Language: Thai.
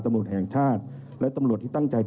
ทนายโจ้ค่ะแต่พอหลังจากที่ผู้ตำราเขาเสียชีวิต